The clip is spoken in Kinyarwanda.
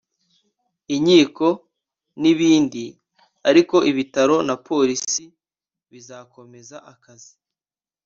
inkiko n’ibindi ariko ibitaro na Polisi bizakomeza akazi